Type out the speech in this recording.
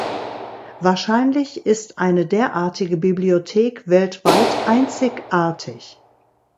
Wahrscheinlich ist eine derartige Bibliothek weltweit einzigartig.